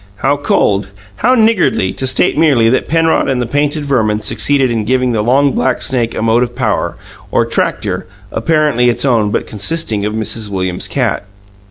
How cold, how niggardly, to state merely that Penrod and the painted Verman succeeded in giving the long, black snake a motive power, or tractor, apparently its own but consisting of Mrs. Williams's cat!